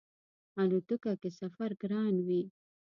الوتکه کی سفر ګران وی